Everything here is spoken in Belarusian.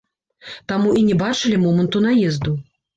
Таму і не бачылі моманту наезду.